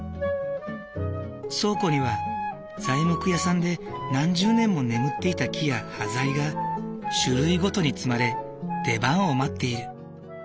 倉庫には材木屋さんで何十年も眠っていた木や端材が種類ごとに積まれ出番を待っている。